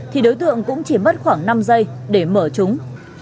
thì đối tượng cũng chỉ mất khoảng năm giây để mở chúng